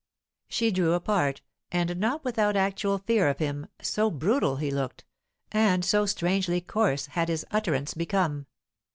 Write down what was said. She drew apart, and not without actual fear of him, so brutal he looked, and so strangely coarse had his utterance become.